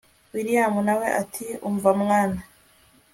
william nawe ati umva mwana